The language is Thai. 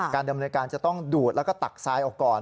ดำเนินการจะต้องดูดแล้วก็ตักทรายออกก่อน